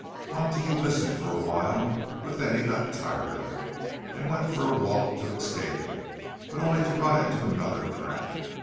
Montague listened for a while, but then he got tired of it, and went for a walk to escape it—but only to run into another trap.